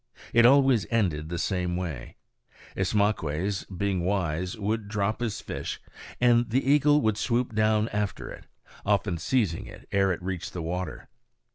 It always ended the same way. Ismaques, being wise, would drop his fish, and the eagle would swoop down after it, often seizing it ere it reached the water.